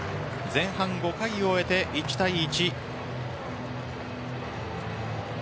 前半５回を終えて１対１。